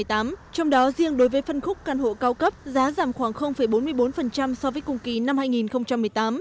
trong đó riêng đối với phân khúc căn hộ cao cấp giá giảm khoảng bốn mươi bốn so với cùng kỳ năm hai nghìn một mươi tám